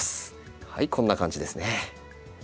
はいこんな感じですね。